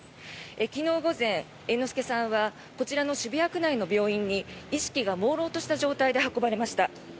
昨日午前、猿之助さんはこちらの渋谷区内の病院に意識がもうろうとした状態で運ばれました。